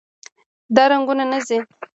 دا رنګونه نه ځي.